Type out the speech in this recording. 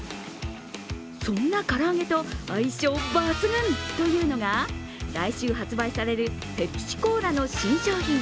そんな唐揚げと相性抜群というのが来秋発売されるペプシコーラの新商品